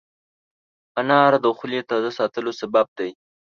انار د خولې تازه ساتلو سبب دی.